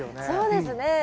そうですね。